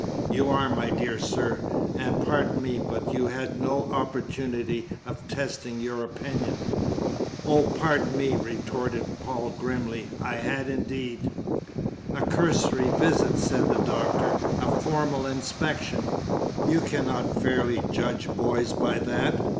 "You are, my dear sir. And, pardon me, but you had no opportunity of testing your opinion." "Oh, pardon me," retorted Paul grimly, "I had indeed!" "A cursory visit," said the Doctor, "a formal inspection you cannot fairly judge boys by that.